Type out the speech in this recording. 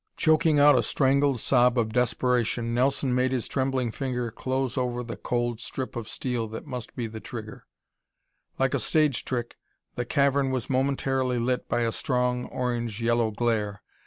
Choking out a strangled sob of desperation, Nelson made his trembling finger close over the cold strip of steel that must be the trigger. Like a stage trick, the cavern was momentarily lit by a strong, orange yellow glare.